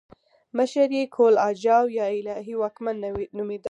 مشر یې کهول اجاو یا الهي واکمن نومېده